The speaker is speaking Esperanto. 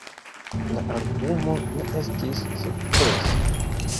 La albumo ne estis sukceso.